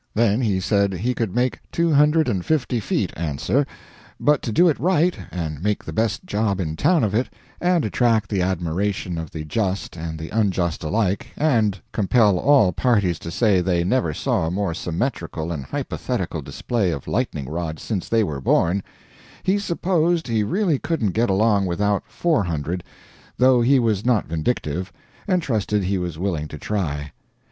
Then he said he could make two hundred and fifty feet answer; but to do it right, and make the best job in town of it, and attract the admiration of the just and the unjust alike, and compel all parties to say they never saw a more symmetrical and hypothetical display of lightning rods since they were born, he supposed he really couldn't get along without four hundred, though he was not vindictive, and trusted he was willing to try.